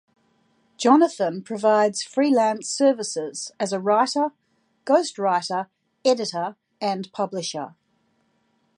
Jonathan provides freelance services as a writer, ghost-writer, editor and publisher.